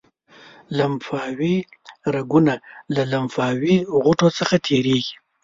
لمفاوي رګونه له لمفاوي غوټو څخه تیریږي.